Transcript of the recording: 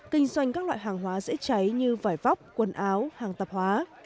kinh doanh các loại hàng hóa dễ cháy như vải vóc quần áo hàng tạp hóa